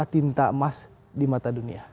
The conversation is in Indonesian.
cinta emas di mata dunia